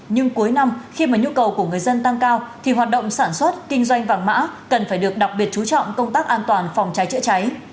nhưng cuối năm khi mà nhu cầu của người dân tăng cao thì hoạt động sản xuất kinh doanh vàng mã cần phải được đặc biệt chú trọng công tác an toàn phòng cháy chữa cháy